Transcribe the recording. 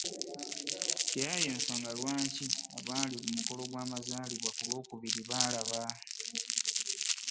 Nti era y'ensonga lwaki abaali ku mukolo gw'amazaalibwa ku Lwokubiri baalaba